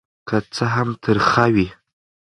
که څه هم ترخه وي.